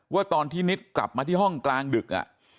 ว่าตอนที่นิดกลับมาที่ห้องกลางดึก